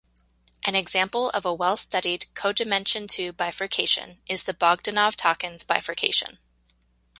An example of a well-studied codimension-two bifurcation is the Bogdanov-Takens bifurcation.